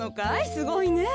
すごいねえ。